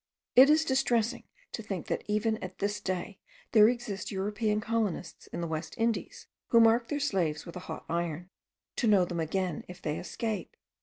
It is distressing to think that even at this day there exist European colonists in the West Indies who mark their slaves with a hot iron, to know them again if they escape.